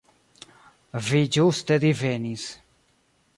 Vi ĝuste divenis.